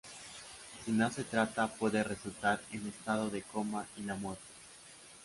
Si no se trata, puede resultar en estado de coma y la muerte.